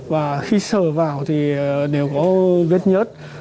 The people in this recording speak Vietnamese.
và khi sờ vào thì đều có vết nhớt